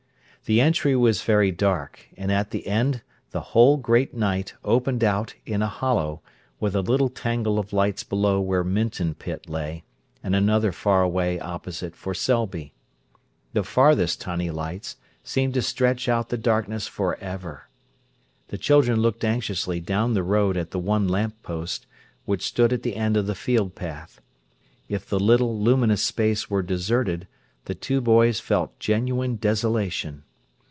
The entry was very dark, and at the end the whole great night opened out, in a hollow, with a little tangle of lights below where Minton pit lay, and another far away opposite for Selby. The farthest tiny lights seemed to stretch out the darkness for ever. The children looked anxiously down the road at the one lamp post, which stood at the end of the field path. If the little, luminous space were deserted, the two boys felt genuine desolation.